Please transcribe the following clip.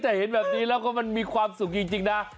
แต่เห็นแบบนี้แล้วก็มันมีความสุขจริงนะ